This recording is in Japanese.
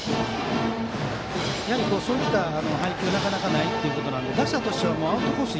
そういった配球はなかなかないということなので打者としてはアウトコース